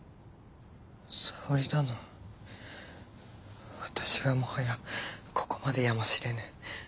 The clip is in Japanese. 沙織殿私はもはやここまでやもしれぬ。